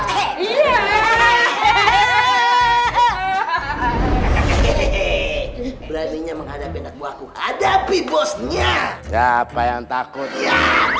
hehehe parent ini mengejut engkepnya ada piplosnya gapain takut ya